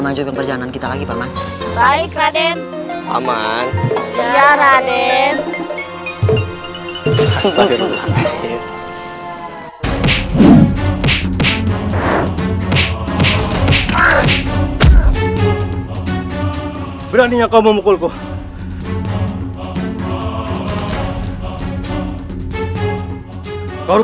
maju ke perjalanan kita lagi paman baik raden aman raden astagfirullahaladzim